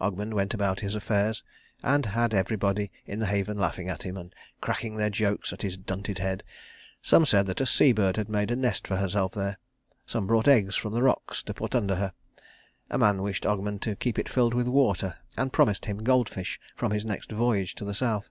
Ogmund went about his affairs, and had everybody in the haven laughing at him, and cracking their jokes at his dunted head. Some said that a sea bird had made a nest for herself there, some brought eggs from the rocks to put under her. A man wished Ogmund to keep it filled with water, and promised him goldfish from his next voyage to the South.